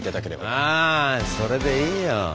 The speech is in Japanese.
ああそれでいいよ。